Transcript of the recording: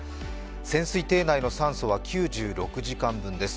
潜水艇内の酸素は９６時間分です。